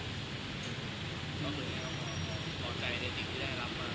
นอกจากนี้เราก็ต้องต้องใจในจริงที่ได้รับมา